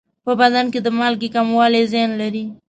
په بدن کې د مالګې کموالی زیان لري.